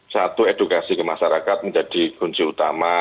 satu edukasi ke masyarakat menjadi kunci utama